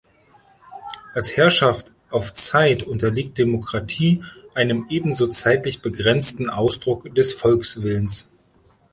Als Herrschaft auf Zeit, unterliegt Demokratie einem ebenso zeitlich begrenzten Ausdruck des Volkswillens.